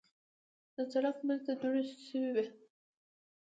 د سړک منځ ته دوړې شوې وې.